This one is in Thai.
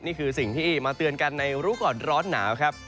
นี่คือสิ่งที่มาเตือนกันในรู้ก่อนร้อนหนาวครับ